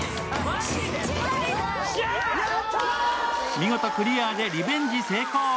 見事クリアでリベンジ成功。